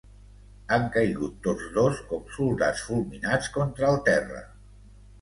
Han caigut tots dos com soldats fulminats contra el terra.